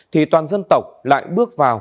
thì toàn dân tộc lại bước vào